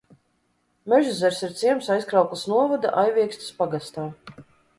Mežezers ir ciems Aizkraukles novada Aiviekstes pagastā.